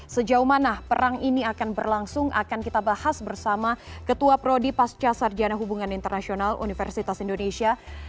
sejauh mana perang ini akan berlangsung akan kita bahas bersama ketua prodi pasca sarjana hubungan internasional universitas indonesia